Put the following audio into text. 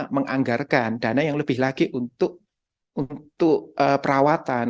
menganggarkan dana yang lebih lagi untuk perawatan